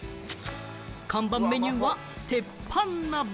看板メニューは鉄板鍋。